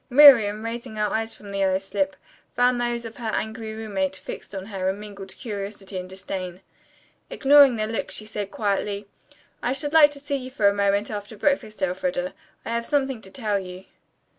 Miriam, raising her eyes from the yellow slip, found those of her angry roommate fixed on her in mingled curiosity and disdain. Ignoring the look she said quietly, "I should like to see you for a moment after breakfast, Elfreda. I have something to tell you."